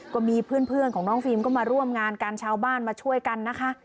ก็มีเพื่อนของน้องฟิล์มก็มาร่วมงานกันชาวบ้านมาช่วยกันนะคะ